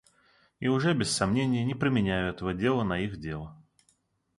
И уже, без сомнения, не променяю этого дела на их дело.